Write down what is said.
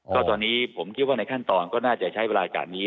ก็ตอนนี้ผมคิดว่าในขั้นตอนก็น่าจะใช้เวลาการนี้